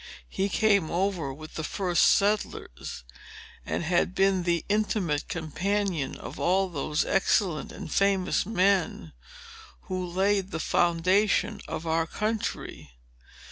"He came over with the first settlers, and had been the intimate companion of all those excellent and famous men who laid the foundation of our country.